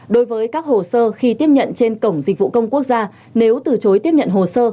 đối với các hồ sơ khi tiếp nhận trên cổng dịch vụ công quốc gia nếu từ chối tiếp nhận hồ sơ